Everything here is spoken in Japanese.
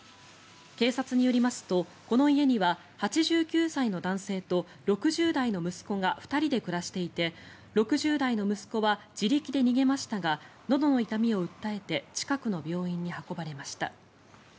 警察によりますと、この家には８９歳の男性と６０代の息子が２人で暮らしていて６０代の息子は自力で逃げましたがのどの痛みを訴えて近くの病院に運ばれました。